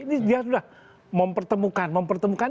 ini dia sudah mempertemukan mempertemukan